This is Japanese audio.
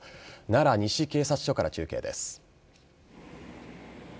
奈良西警察署から中継です。